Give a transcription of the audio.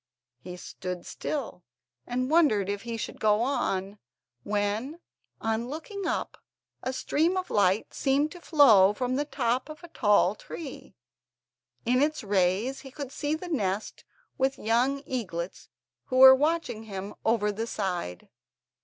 He stood still, and wondered if he should go on, when, on looking up, a stream of light seemed to flow from the top of a tall tree. In its rays he could see the nest with the young eaglets, who were watching him over the side.